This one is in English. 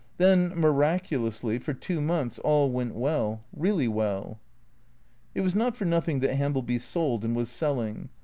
Then, miraculously, for two months all went well, really well. It was not for nothing that Hambleby sold and was selling.